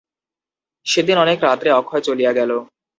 সেদিন অনেক রাত্রে অক্ষয় চলিয়া গেল।